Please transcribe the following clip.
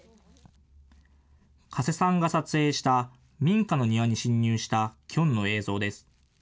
加瀬さんが撮影した民家の庭に侵入したキョンの映像です。